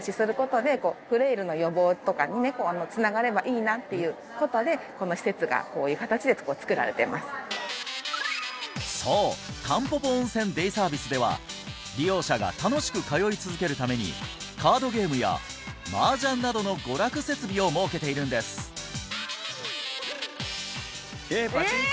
いいなっていうことでこの施設がこういう形でつくられていますそうたんぽぽ温泉デイサービスでは利用者が楽しく通い続けるためにカードゲームや麻雀などの娯楽設備を設けているんですえっパチンコ！？